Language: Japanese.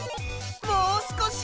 もう少し！